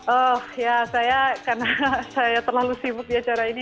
oh ya saya karena saya terlalu sibuk di acara ini